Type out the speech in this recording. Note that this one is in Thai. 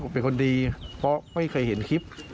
เป็นคนดีเพราะไม่เคยเห็นคลิป